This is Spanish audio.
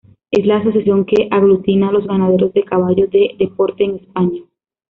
Es la asociación que aglutina a los ganaderos de caballo de deporte en España.